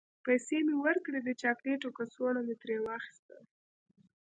پیسې مې ورکړې، د چاکلیټو کڅوڼه مې ترې واخیستل.